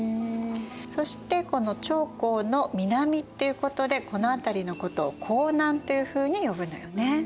そしてこの長江の南っていうことでこの辺りのことを江南というふうに呼ぶのよね。